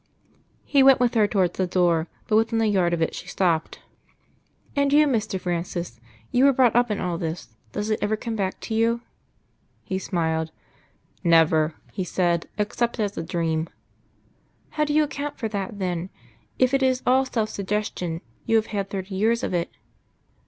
He went with her towards the door. But within a yard of it she stopped. "And you, Mr. Francis. You were brought up in all this. Does it ever come back to you?" He smiled. "Never," he said, "except as a dream." "How do you account for that, then? If it is all self suggestion, you have had thirty years of it."